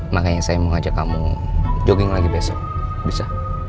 makanya saya mau ngajak kamu jogging lagi besok bisa